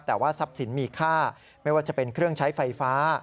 แต่ว่าทรัพย์สินมีค่าไม่ว่าจะเป็นเครื่องใช้ไฟฟ้า